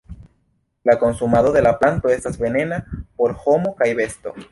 La konsumado de la planto estas venena por homo kaj besto.